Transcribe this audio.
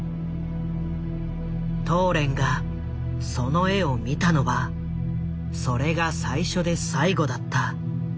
トーレンがその絵を見たのはそれが最初で最後だった。